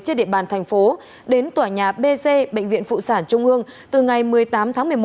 trên địa bàn thành phố đến tòa nhà b c bệnh viện phụ sản trung ương từ ngày một mươi tám tháng một mươi một